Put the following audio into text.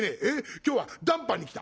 今日は談判に来た」。